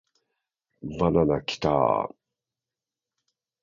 バナナキターーーーーー